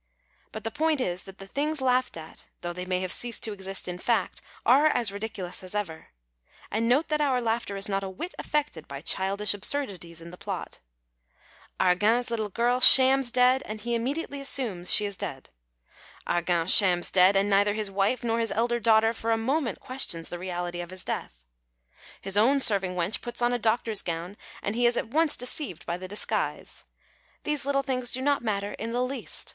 But the point is, that the things laughed at, though they may have ceased to exist in fact, are as ridiculous as ever. And note that our laughter is not a whit affected by childisli absurdities in the |)lot. Argan's little girl shams dead and he immediately assumes she is dead. Argan shams dead and neither his wife nor his elder daughter for a moment questions the reality of his death. His own serving wench puts on a doctor's gown and he is at once deceived by the disguise. These little things do not matter in the least.